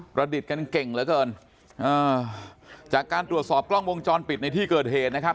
ดิตกันเก่งเหลือเกินอ่าจากการตรวจสอบกล้องวงจรปิดในที่เกิดเหตุนะครับ